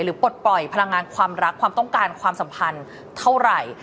ปลดปล่อยพลังงานความรักความต้องการความสัมพันธ์เท่าไหร่